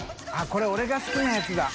△これ俺が好きなやつだ。